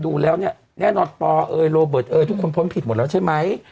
ดูแล้วเนี่ยแน่นอนปอเอยโรเบิร์ตเอยทุกคนพ้นผิดหมดแล้วใช่ไหม